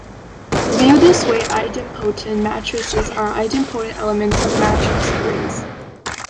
Viewed this way, idempotent matrices are idempotent elements of matrix rings.